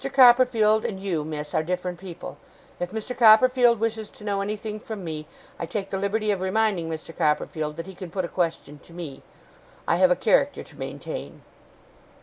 Copperfield and you, miss, are different people. If Mr. Copperfield wishes to know anything from me, I take the liberty of reminding Mr. Copperfield that he can put a question to me. I have a character to maintain.